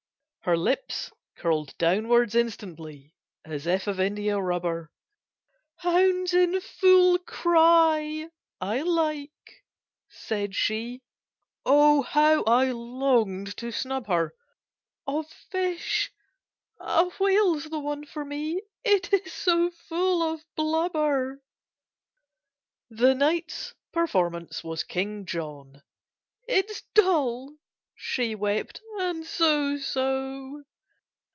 Her lips curved downwards instantly, As if of india rubber. "Hounds in full cry I like," said she: (Oh how I longed to snub her!) "Of fish, a whale's the one for me, It is so full of blubber!" The night's performance was "King John." "It's dull," she wept, "and so so!"